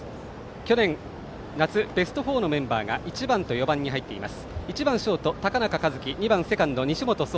去年、夏ベスト４のメンバーが１番と４番に入っています。